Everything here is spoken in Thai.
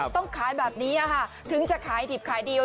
ต้องขายแบบนี้อ่ะค่ะถึงจะขายถิดขายดี